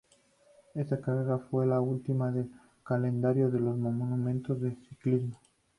Esta carrera fue la última del calendario de los Monumentos del ciclismo.